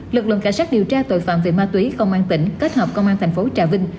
lực lượng cảnh sát điều tra tội phạm về ma túy công an tỉnh kết hợp công an thành phố trà vinh